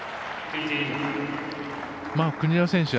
国枝選手